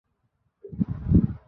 হ্যাঁ, খুব মর্মান্তিক।